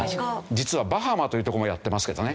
実はバハマという所もやっていますけどね。